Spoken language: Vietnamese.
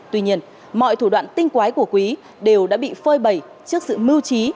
tuy nhiên mọi thủ đoạn tinh quái của quý đều đã bị phơi bầy trước sự mưu trí